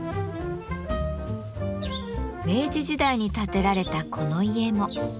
明治時代に建てられたこの家も。